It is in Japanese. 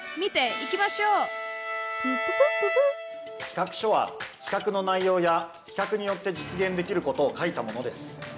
プププッププッ企画書は企画の内容や企画によって実現できることを書いたものです。